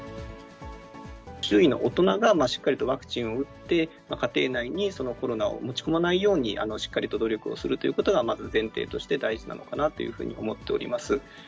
周囲の大人がしっかりとワクチンを打って、家庭内にコロナを持ち込まないようにしっかりと努力をするということがまず前提として大事なのかなというふうに思っております。